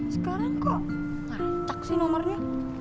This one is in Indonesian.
sekarang kok retak sih nomornya